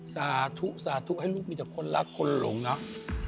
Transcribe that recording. สาธุสาธุให้ลูกมีจากคนรักคนหลวงรัก